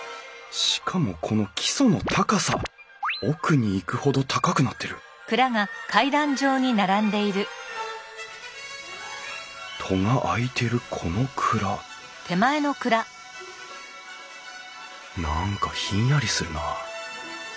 しかもこの基礎の高さ奥にいくほど高くなってる戸が開いてるこの蔵何かひんやりするなあ。